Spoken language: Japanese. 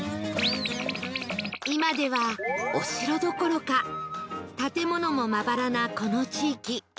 今ではお城どころか建物もまばらなこの地域